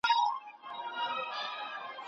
ته ورته ګورې، که یوځلې مخ راواړوي بیا